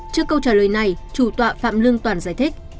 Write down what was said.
trước câu trả lời này chủ tọa phạm lương toàn giải thích